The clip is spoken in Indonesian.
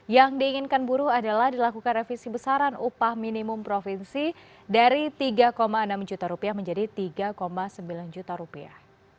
yang diinginkan buruh adalah dilakukan revisi besaran upah minimum provinsi dari tiga enam juta rupiah menjadi tiga sembilan juta rupiah